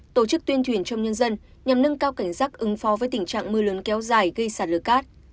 tổ chức tuyên truyền trong nhân dân nhằm nâng cao cảnh giác ứng phó với tình trạng mưa lớn kéo dài gây sạt lửa cát